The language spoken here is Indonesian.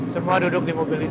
semua duduk di mobil itu